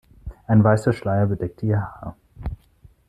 Ein weißer Schleier bedeckte ihr Haar.